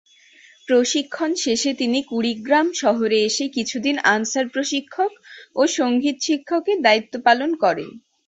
প্রশিক্ষণ শেষে তিনি কুড়িগ্রাম শহরে এসে কিছুদিন আনসার প্রশিক্ষক ও সঙ্গীত শিক্ষকের দায়িত্ব পালন করেন।